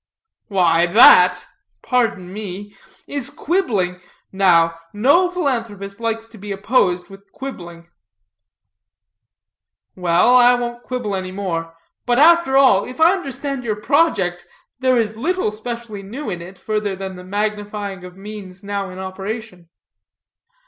"Why, that pardon me is quibbling. Now, no philanthropist likes to be opposed with quibbling." "Well, I won't quibble any more. But, after all, if I understand your project, there is little specially new in it, further than the magnifying of means now in operation."